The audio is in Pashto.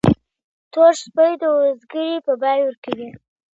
¬ تور سپى د وزگړي په بيه ورکوي.